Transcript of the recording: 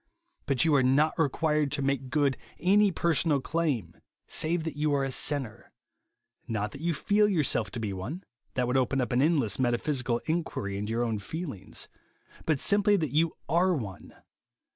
But you are not required to make good any personal claim, save that you are a sinner ;— not that you feel yourself to be one (that would open up an endless metaphysical inquiry into your own feelings) ;— but simply that you aro JESUS ONLY. 177 one.